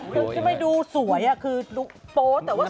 คือไม่ดูสวยคือโพสต์แต่ว่าสวย